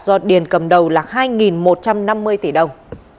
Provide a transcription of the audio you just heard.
do điền cầm đầu là hai một trăm năm mươi tỷ đồng